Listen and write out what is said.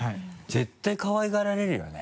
絶対かわいがられるよね。